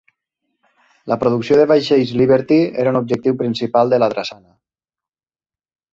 La producció de vaixells Liberty era un objectiu principal de la drassana.